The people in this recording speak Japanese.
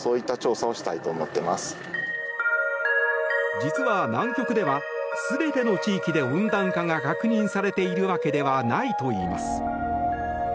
実は南極では、全ての地域で温暖化が確認されているわけではないといいます。